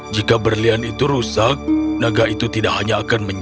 jika berlian itu rusak naga itu tidak hanya akan mencari